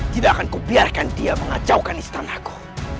tidak akan kubiarkan dia mengacaukan istanaku